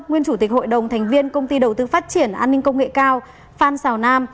nguyên chủ tịch hội đồng thành viên công ty đầu tư phát triển an ninh công nghệ cao phan xào nam